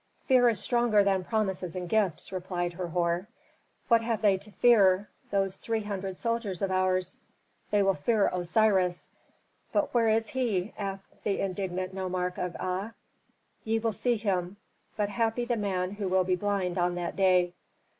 "Fear is stronger than promises and gifts," replied Herhor. "What have they to fear? Those three hundred soldiers of ours?" "They will fear Osiris." "But where is he?" asked the indignant nomarch of Aa. "Ye will see him. But happy the man who will be blind on that day."